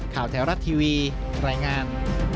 ข่าวแถวรัฐทีวีแรงงาน